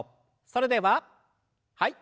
それでははい。